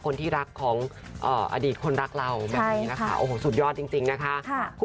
คนที่รักของอดีตคนรักเราแบบนี้นะคะโอ้โหสุดยอดจริงนะคะ